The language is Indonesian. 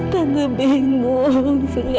tante bingung tante